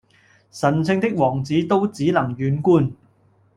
神聖的王子都只能遠觀！